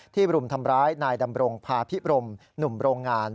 รุมทำร้ายนายดำรงพาพิบรมหนุ่มโรงงาน